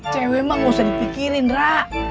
cewek emak gak usah dipikirin indra